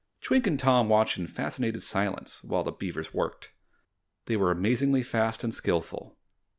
Twink and Tom watched in fascinated silence while the beavers worked. They were amazingly fast and skillful.